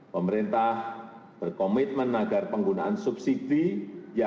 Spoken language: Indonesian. pemerintah berkomitmen agar penggunaan subsidi